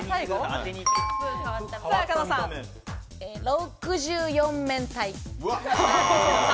６４面体。